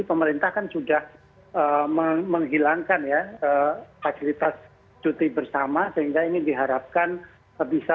pemerintah kan sudah menghilangkan ya fasilitas cuti bersama sehingga ini diharapkan bisa